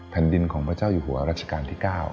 แผ่นดินของพระเจ้าอยู่หัวรัชกาลที่๙